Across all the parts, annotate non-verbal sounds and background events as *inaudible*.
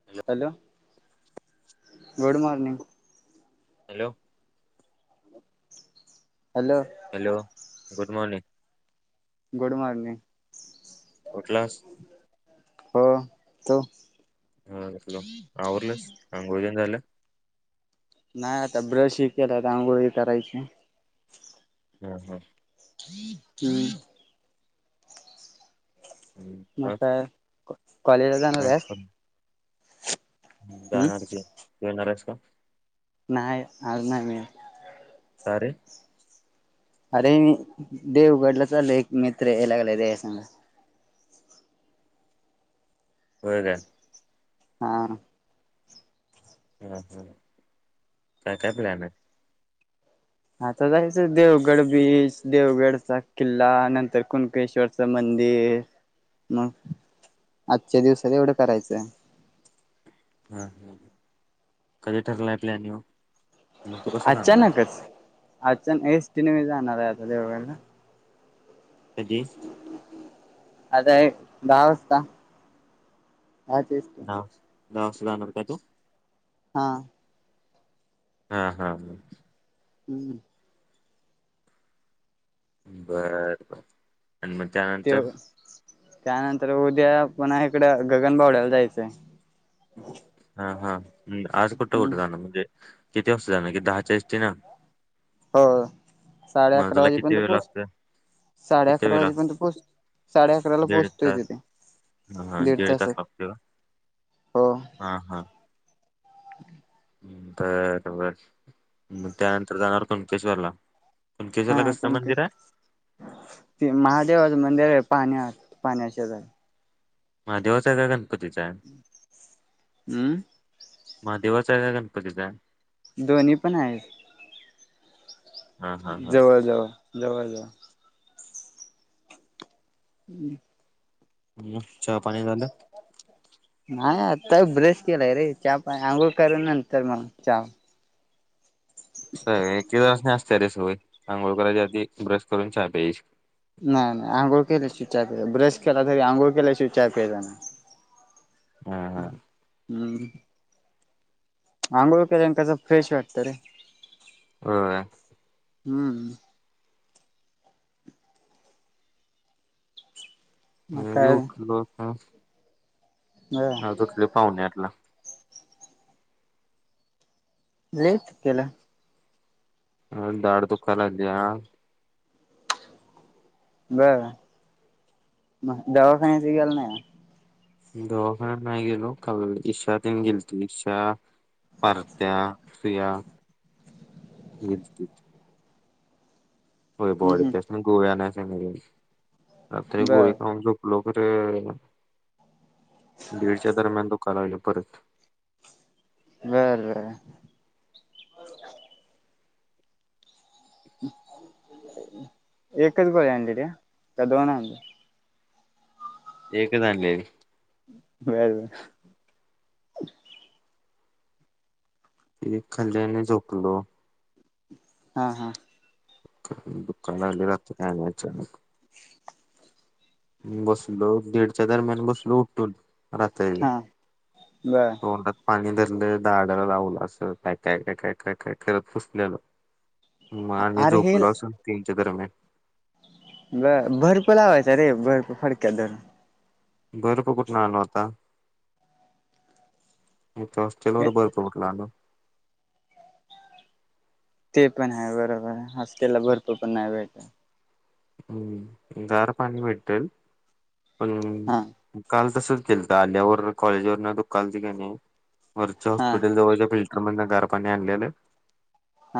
Hello hello good morning hello hello hello good morning good morning उठलास? हो तो हम्म हॅलो आवरलस आंघोळ तेन झालं? नाही आता ब्रश ह केलाय अंघोळी ह करायची हम्म हम्म हम्म मग काय कॉलेजला आज जाणार आहेस? पण हम्म जाणार की येणार आहेस का? नाही आज नाही वेळ का रे? अरे मी देवगडला चाललोय, एक मित्र याय लागलाय त्याच्यासंग होय काय? हा हम्म हम्म काय काय प्लॅन आहे? हाता जायच देवगड बीच देवगडचा किल्ला नंतर कुणकेश्वरच च मंदिर मग आजच्या दिवसात एवढं करायचं. हम्म कधी ठरलाय प्लॅन ह्यो? मग तू कसं जाणार आहेस अचानकच अनक एसटीने मी जाणार आहे आता देवगडला कधी? आता एक दहा वाजता, दहा तीस हा दहा वाजता जाणार काय तू? हा हा हा हा हम्म बरं बरं आणि मग त्या त्यो त्यानंतर उद्या पुन्हा इकडं गगनबावड्याला जायचंय हा हा आज कुठं हम्म कुठं जाणार म्हणजे किती वाजता जाणं की दहाच्या एसटी ना हो साडे मग अकरा तुला किती वाजेपर्यंत वेळ पोहोच लागतोय साडे किती अकरा वेळ लागतो वाजेपर्यंत पोच साडे अकराला दीड पोहोचतोय तास तिथे. हा हा दीड तास लागतोय का? हो हा हा बर बर म त्यानंतर जाणार कणकेश्वरला? हा कनकेश्वर, ते महादेवाचे मंदिर आहे पाण्यात पाण्याच्या खाली. महादेवाच आहे का गणपतीच आहे? हम्म महादेवाच आहे काय गणपतीच आहे? दोन्ही पण आहेत हा हा हा जवळ जवळ, जवळ जवळ. हम्म मग चहा पाणी झालं? नाही आता ब्रश केलाय रे, चहा पा अंघोळ करून नंतर मग चहा. असं आहे होय एकेकांना असतीया रे सवय आंघोळ करायच्या आधी ब्रश करून चहा प्यायची. नाही नाही अंघोळ केल्या शि य प्या ब्रश केला तरी अंघोळ केल्या शि चचा प्याय जा नाही. हा हा हम्म आंघोळ केल्यान कस फ्रेश वाटतं रे. होय होय हम्म. मग मी बी काय उठलो हं बर. उठलोय पावणे आठला. लेट केला हा दाढ दुखाय लागलीया बरं मग दवाखान्याच गेला नाही का? दवाखान्यात नाही गेलो काल ईशा त्यांनी गेलते इशा पारत्या सुया गेलतीत. होय हम्म बॉडी हम्म त्यासनी गोळ्या आणाय *unintelligible* आता बर. गोळी खाऊन झोप लवकर ये दीडच्या दरम्यान दुखाय लागलं परत. बरं. एकच गोळी आणलेत्या, का दोन आणल्या? एकच आणलेली. बर, बर. एक खाल्ली आणि झोपलो. हा, हा. दुखाय लागले रात्री आणि अचानक. बसलो दीडच्या दरम्यान बसलो उठून. रात्रीच हा बर तोंडात पाणी धरलं, दाडाला लावलं. अस काय, काय, काय, काय, काय करत बसलेलो. मग आणि अरे हे झोपलो असनं तीनच्या दरम्यान. ब बर्फ लावायचा रे बर्फ फडक्यात धरून. बर्फ कुठनं आणू आता? इथं हॉस्टेलवर बर्फ कुठला आणू? ते पण आहे बरोबर आहे. हॉस्टेलला बर्फा पण नाही भेटत. हम्म गार पाणी भेटलं. पण हा काल तसंच केलंत आल्यावर. कॉलेजवरन दुखालतं की नई वरच्या हा हॉस्पिटल जवळच्या फिल मधन गार पाणी आणलेलं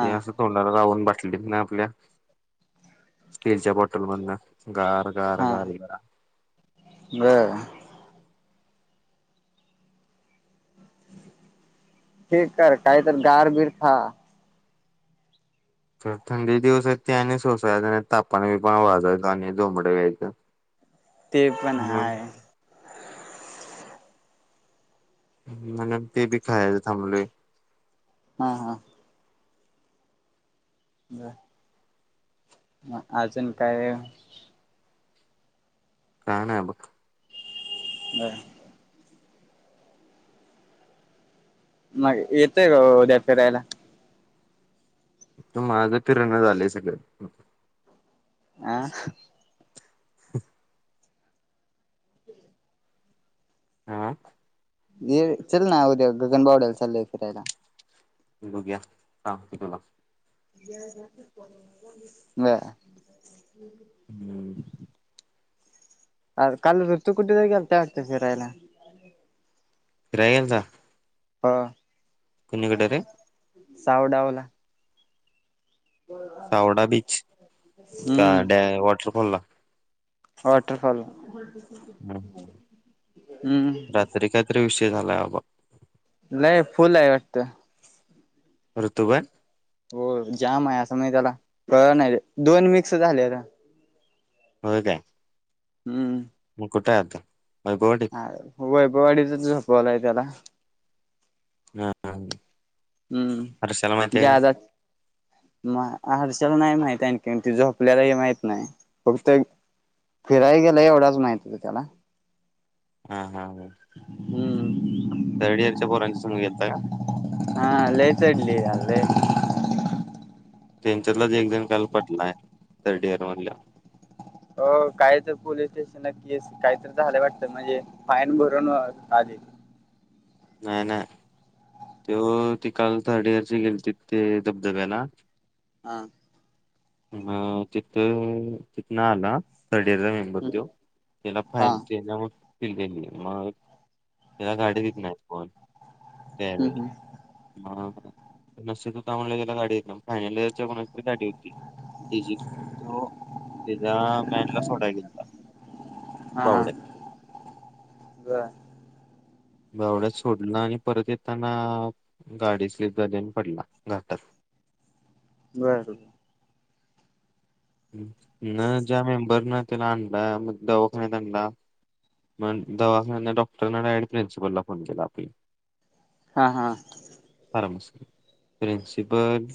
ते असं तोंडाला जाऊन बसलेलीत ना आपल्या स्टीलच्या बॉटलमधन गार, गार, हा गार जरा. बर. हि गारठा हाय तर गारबीर खा. तर थंडीच दिवस आहेत ते आणि सोसायच नाही. तापन बिपान वाजायचो आणि जोमडं यायचं. ते पण हाय. म्हणून ते बी खायाचं थांबलोय. हा, हा. बर. मग अजून काय? *unintelligible* काय नाय बघ. बर. मग येतोय का उद्या फिरायला? इथं मागं फिरणा झालंय सगळं हम्म. आ? आ? ये चलना उद्या गगनबावड्याला चाललोय फिरायला. बघुया सांगतो तुला. बर. हम्म. आर काल ऋतू कुठतरी गेलता वाटत फिरायला? फिराय गेलता? हो कुणीकडे रे सावडावला. सावडा बीच का डॅ हम्म वॉटरफॉल ला. वॉटरफॉल हम हम्म रात्री काहीतरी विषय झाला अब नाही फुल्ल हाय वाटतं. ऋतु काय? होय जाम आहे असं म्हणजे त्याला कळल नाही, दोन मिक्स झालेलं. होय काय हम्म कुठे आहे आता अवघड वैबवाडीचच झोपवलाय त्याला ह ह ह हम्म जादा म आरश्याला नाही माहित आणखी त झोपल्यालाही माहित नाही फक्त फिरायला गेलाय एवढंच माहिती नाही त्याला हम्म हम्म हम्म हम्म. थर्ड ईयरचा पोरांच्या संग गेलता का? हा लय चढल्या लई तेच्यातल एक जण काल पडलं थर्ड इयर मधल्या. हो काही तर पोलीस स्टेशन न केस काहीतरी झाला वाटतं म्हणजे फाईन भरून आले. नाही नाही ती काल थर्ड ईयरची गेलीहोती धबधब्या ना हा अ तिथ तिथ ना आल थर्ड मेंब बघ त्यो त्याला हा फाईनल मग त्याला गाडी बी येत नाही होय झाल हम्म ह त का म्हलं गेला गाडी येत ना फायनल इयर पणरी गाडी होती तकून तो तच्या मॅनला सोडा घेलाहोता हा हा बावड्या बर गवड्यात सोडला आणि परत येताना गाडी स्लीप झाली आणि पडला घाटात. बर न ज्या मेंबर ना त्याला आणला मग दवाखान्यात आणला मग दवाखान्याना डॉक्टरना डायट प्रि्सिपलला फोन केला आपली हा हा पारामश प्रिन्सिपॉल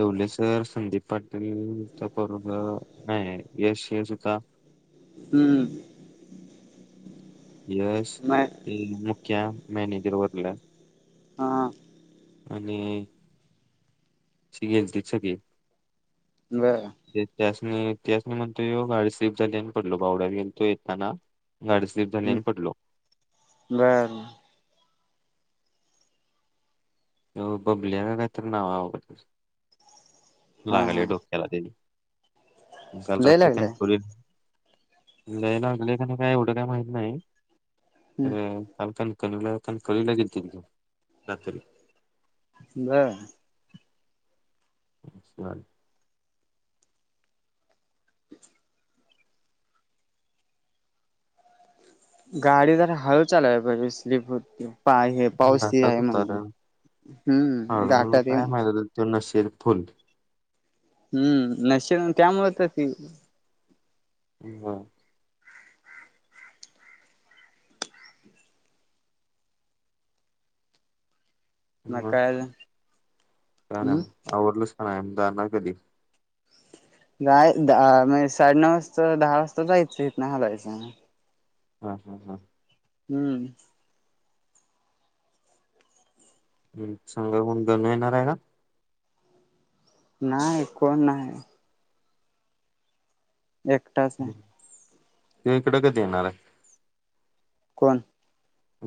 एवढ सर संदीप पाटीलचा पोरग नाही यश यश होता हम्म यश मैं मुख्या मॅनेजर वरलं हा आणि *unintelligible* बर एक त्यासने त्यासने म्हणतो यो गाडी स्लिप झाली आणि पडलो बावड्यान तो येताना. गाडी स्लिप झाली आणि पडलो बर हो बबल्या का काहीतरी नाव आहे त्याच हा लागले हा डोक केला तेनी काल लय रात्री पण लागलंय *unintelligible* लय लागलंय का नाही काय एवढं काय माहित नाही. खर काल कणकवलीला कणकवलीला गेलती ती‌ रात्री. बर. झालं गाडी जरा हळू चालवाय पाहिजे स्लीप होतीया पा हे पाऊस त घाटात आहे म्हणे उतारलं हम्म घाटात आहे चोनाशर फुल हम्म नशीब त्यामुळं तर ती *unintelligible* मग काय अजून? का नाय बघ. आवरलस का नाही जाणार कधी? जाय दहा म्हणजे साडेनऊ वाजता, दहा वाजता जायचं इथनं हालायचं. हा, हा, हा. हम्म. मग सांगाय कोण *unintelligible* येणार आहे का? नाही कोण नाही. एक ते इकडं कधी येणार आहे? कोण?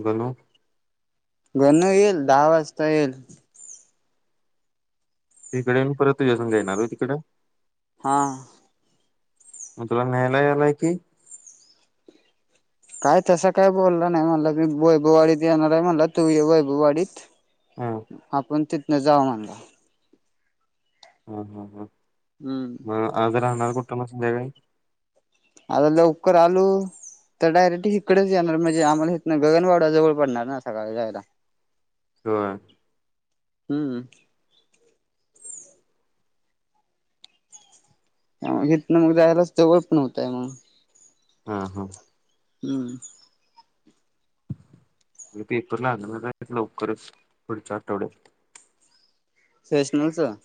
गणू. गणू यील दहा वाजता यील. इकडं येऊन परत तुझ्या संग येणार व्हय तिकडं? हा. मग तुला न्यायला याला येतुय. काय तसं काय बोलला नाही. म्हणला वैभववाडीत येणार आहे म्हणला तू ये वैभववाडीत. हा आपण तिथनं जावु म्हणला. हा, हा, हा. हम्म मग आज राहणार कुठं मग संध्याकाळी? आता लवकर आलू तर डायरेक्ट हिकडच येणार म्हणजे आम्हाला हिथनं गगनबावडा जवळ पडणार ना सकाळी जायाला. होय. हम्म. त्यामुळं हिथनं मग जायलाच जवळ पण होतय मग. हा, हा. हम्म. पेपर लागणार आहेत लवकरच पुढच्या आठवड्यात. सॅशनलचं?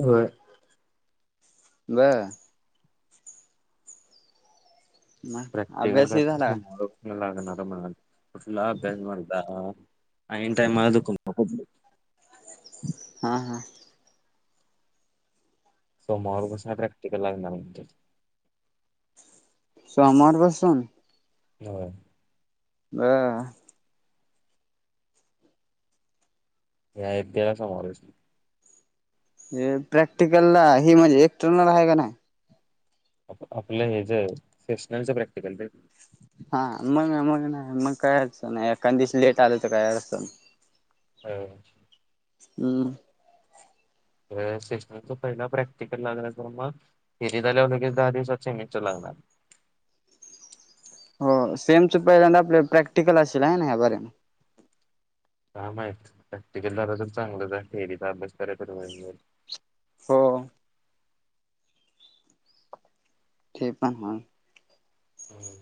होय. बर. मग प्रॅक्टिकल काय अभ्यासही झाला *unintelligible* लागणार हाय म्हणालतीत कुठलं अभ्यास मर्दा. आइन टायमाला *unintelligible* हा, हा. सोमवारपासनं प्रॅक्टिकल लागणार म्हणतात. सोमवारपासून? होय. बर. ह्या येत्या सोमवारपासनं. जे प्रॅक्टिकलला ही म्हणजे एक्सट्रनल हाय काय नाय? आपलं आपलं हेज शासनाच प्रॅक्टिकल रे. हा मग मग नाय मग काय असं नाय एकां दिवस लेट आलं तर काय असतं. हो हम्म व्हय सिस्टरचा पहिला प्रॅक्टिकल लागला तर मग? फिरी झाल्यावर लगेच दहा दिवसात चेमिचर लागणार. होय सेमच पहिल्यांदा आपले प्रॅक्टिकल असेल हाय नाई या बारीनं. काय माहीत प्रॅक्टिकल झाला तर चांगलंच आहे. थेरीचा अभ्यास कराय तर वेळ मिळलं. हो. ते पण म्हण. हम्म.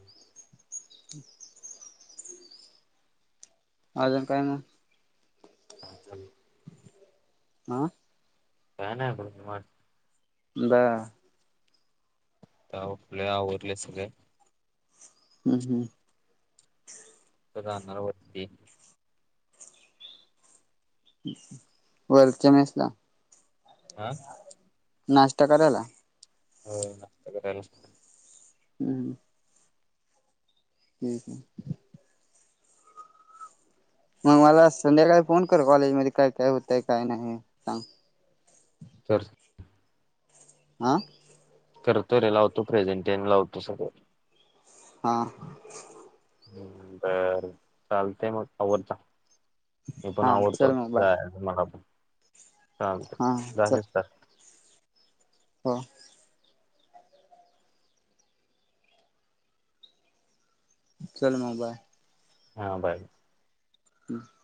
हम अजून काय मग? *unintelligible* आं काय नाय. *unintelligible* दा ताव आपले आवरले सगळे? हम्म हम्म. रहणार वरती वर्च्या मेसला हा नाश्ता करायला होय नाश्ता करायला. हम्म हम्म मग मला संध्याकाळी फोन कर कॉलेजमध्ये काय-काय होतय काय नाही सांग. चर से आं करतो रे लावतो प्रेझेंटी आणि लावतो सगळं. हा. हम्म बरं चालते मग आवरचा मी पण हा आवरतो चल मग बाय जा. मला पण चालतं हा दा चल आहेस का? हो चल मग बाय. हा बाय. हम्म.